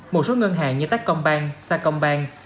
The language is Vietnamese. một số ngân hàng như tết công bang sa công bang